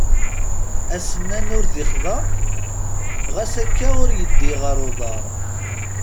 Asennan ur d ixḍa ɣas akka ur yi-iddi ɣer uḍar.